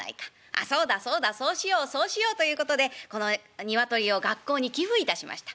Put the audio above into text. そうだそうだそうしようそうしよう」ということでこのニワトリを学校に寄付いたしました。